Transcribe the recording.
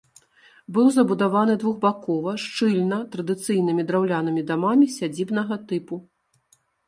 Быў забудаваны двухбакова, шчыльна традыцыйнымі драўлянымі дамамі сядзібнага тыпу.